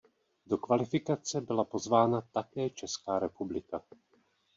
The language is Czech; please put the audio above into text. Do kvalifikace byla pozvána také Česká republika.